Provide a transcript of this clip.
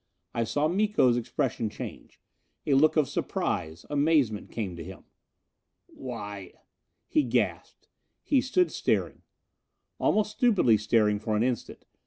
I saw Miko's expression change. A look of surprise, amazement came to him. "Why " He gasped. He stood staring. Almost stupidly staring for an instant.